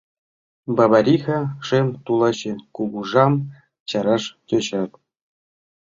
Бабариха — шем тулаче Кугыжам чараш тӧчат.